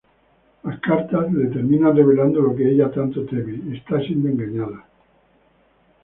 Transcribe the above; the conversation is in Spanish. Las cartas le terminan revelando lo que ella tanto teme: está siendo engañada.